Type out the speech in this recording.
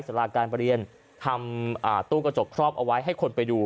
สาราการประเรียนทำตู้กระจกครอบเอาไว้ให้คนไปดู